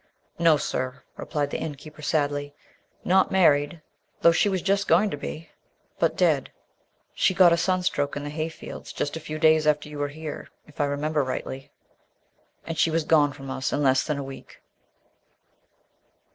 "No, sir," replied the inn keeper sadly, "not married though she was just going to be but dead. She got a sunstroke in the hayfields, just a few days after you were here, if I remember rightly, and she was gone from us in less than a week."